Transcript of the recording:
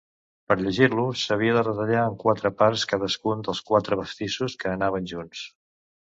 Per llegir-lo s'havia de retallar en quatre parts cadascun dels quatre pastissos que anaven junts.